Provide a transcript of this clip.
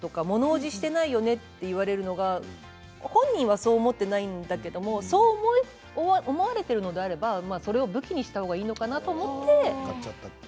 ものおじしていないよねって言われるのが本人はそう思っていないんだけれどそう思われているのであればそれを武器にしたほうがいいのかなと思って。